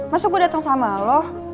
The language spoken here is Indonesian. masuk gue dateng sama lo